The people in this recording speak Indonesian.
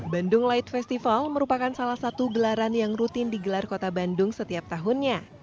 bandung light festival merupakan salah satu gelaran yang rutin digelar kota bandung setiap tahunnya